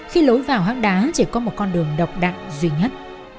khi lối vào hát đá chỉ có một con đường độc đạn duy nhất